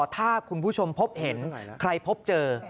ถ้าคุณผู้ชมพบเห็นใครพบเจอ